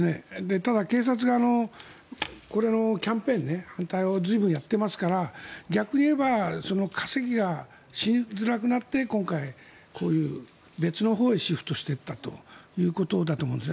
ただ、警察がキャンペーン反対を随分やっていますから逆に言えば稼ぎがしづらくなって今回、こういう別のほうへシフトしていったということだと思うんです。